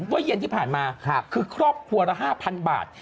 เมื่อเย็นที่ผ่านมาคือครอบครัวละ๕๐๐๐บาท